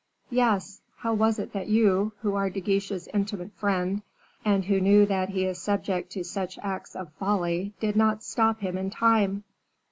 "Yes. How was it that you, who are De Guiche's intimate friend, and who know that he is subject to such acts of folly, did not stop him in time?"